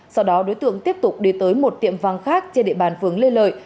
sau đó đối tượng tiếp tục đi tới một tiệm vàng khác trên địa bàn phường lê lợi